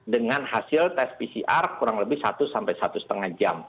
dengan hasil tes pcr kurang lebih satu sampai satu lima jam